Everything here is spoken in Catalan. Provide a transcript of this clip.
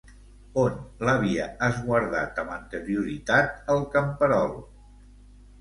On l'havia esguardat amb anterioritat el camperol?